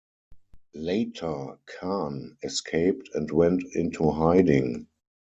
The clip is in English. Later Khan escaped and went into hiding.